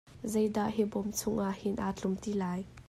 Zei dah hi bawm chung ah hin aa tlum ti lai?